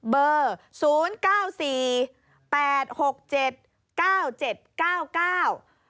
เบอร์ศูนย์เก้าสี่แปดหกเจ็ดเก้าเจ็ดเก้าเก้า